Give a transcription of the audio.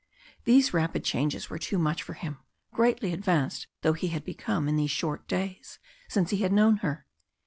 These rapid changes were too much for him, greatly advanced though he had become in these short days since he had known her.